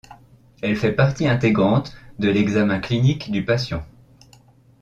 Elle fait partie intégrante de l'examen clinique du patient.